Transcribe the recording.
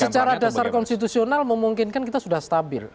secara dasar konstitusional memungkinkan kita sudah stabil